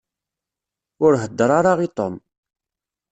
Ur heddeṛ ara i Tom.